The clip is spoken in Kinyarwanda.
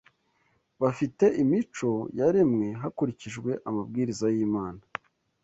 bafite imico yaremwe hakurikijwe amabwiriza y’Imana